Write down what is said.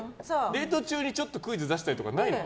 デート中にクイズ出したりとかないの？